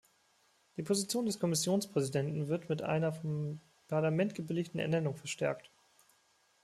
Die Position des Kommissionspräsidenten wird mit einer vom Parlament gebilligten Ernennung verstärkt.